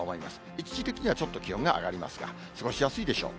一時的にはちょっと気温が上がりますが、過ごしやすいでしょう。